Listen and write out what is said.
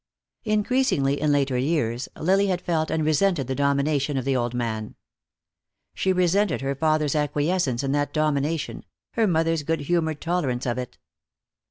Increasingly, in later years, Lily had felt and resented the domination of the old man. She resented her father's acquiescence in that domination, her mother's good humored tolerance of it.